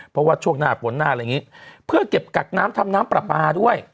เพราะว่าช่วงหน้าฝนหน้าอะไรอย่างนี้เพื่อเก็บกักน้ำทำน้ำปลาปลาด้วย